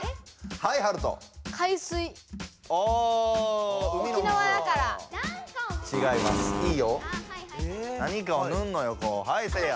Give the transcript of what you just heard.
はいせいや。